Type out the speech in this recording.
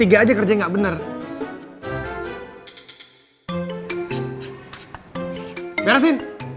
emang mbak cutanya hebat sih